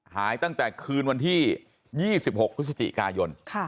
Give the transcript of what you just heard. หายตั้งแต่คืนวันที่๒๖พก